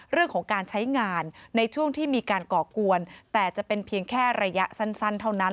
เรื่องของการใช้งานในช่วงที่มีการก่อกวนแต่จะเป็นเพียงแค่ระยะสั้นเท่านั้น